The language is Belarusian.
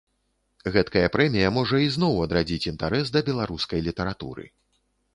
Гэткая прэмія можа ізноў адрадзіць інтарэс да беларускай літаратуры.